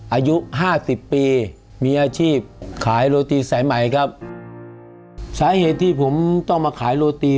อายุห้าสิบปีมีอาชีพขายโรตีสายใหม่ครับสาเหตุที่ผมต้องมาขายโรตี